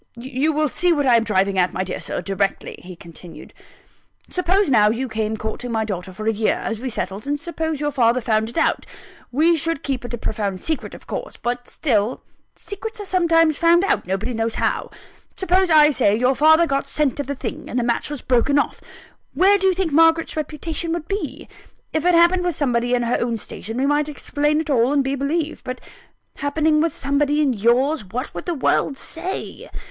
"You will see what I am driving at, my dear Sir, directly," he continued. "Suppose now, you came courting my daughter for a year, as we settled; and suppose your father found it out we should keep it a profound secret of course: but still, secrets are sometimes found out, nobody knows how. Suppose, I say, your father got scent of the thing, and the match was broken off; where do you think Margaret's reputation would be? If it happened with somebody in her own station, we might explain it all, and be believed: but happening with somebody in yours, what would the world say?